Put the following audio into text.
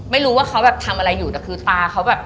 ไม่รู้ว่าเขาแบบทำอะไรอยู่แต่คือตาเขาแบบ